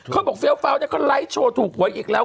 เขาบอกเฟี้ยวเฟ้อนเนี่ยเขาไลท์โชว์ถูกหวยอีกแล้ว